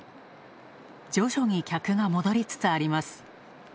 徐々に客が戻りつつあります。